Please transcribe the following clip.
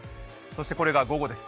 これが午後です。